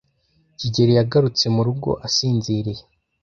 kigeli yagarutse mu rugo, asinziriye.